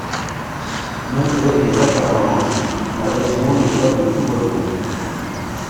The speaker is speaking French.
Malgré les apparences, la région n'est pas de tout repos.